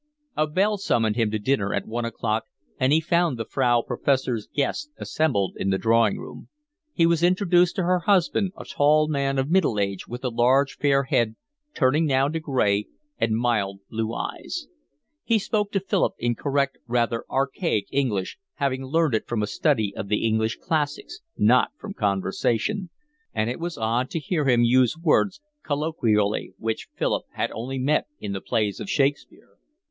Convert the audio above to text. A bell summoned him to dinner at one o'clock, and he found the Frau Professor's guests assembled in the drawing room. He was introduced to her husband, a tall man of middle age with a large fair head, turning now to gray, and mild blue eyes. He spoke to Philip in correct, rather archaic English, having learned it from a study of the English classics, not from conversation; and it was odd to hear him use words colloquially which Philip had only met in the plays of Shakespeare.